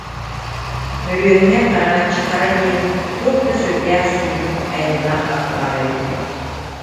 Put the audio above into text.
Мөрүөҥҥэ Хараҥаччы Хара диэн туох да сүрдээх сүүрүк, айаннаах ат баара үһү